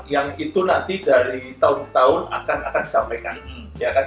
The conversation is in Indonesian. yang itu nanti dari tahun ke tahun akan disampaikan